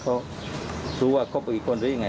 เขารู้ว่าคบไปอีกคนหรือยังไง